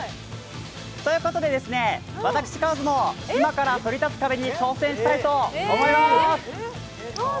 ということで私、川津も今からそり立つ壁に挑戦してみたいと思います。